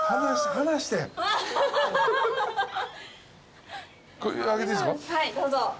はいどうぞ。